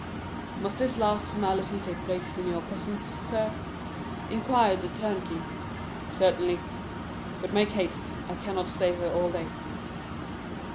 "Must this last formality take place in your presence, sir?" inquired a turnkey. "Certainly. But make haste—I cannot stay here all day."